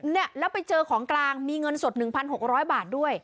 เนี่ยแล้วไปเจอของกลางมีเงินสด๑๖๐๐บาทด้วย